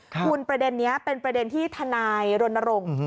คุณประเด็นนี้เป็นประเด็นที่ทนายรณรงค์